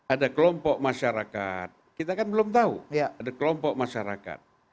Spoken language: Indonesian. ada kelompok masyarakat kita kan belum tahu ada kelompok masyarakat